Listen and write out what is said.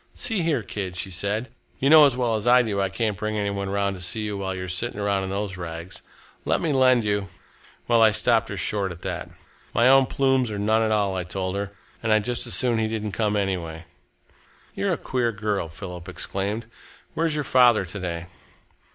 'See here, kid,' she said, 'you know as well as I do I can't bring any one round to see you while you are sitting around in those rags. Let me lend you ' Well, I stopped her short at that. 'My own plumes or none at all,' I told her, 'and I'd just as soon he didn't come, anyway.'" "You're a queer girl," Philip exclaimed. "Where's your father to day?"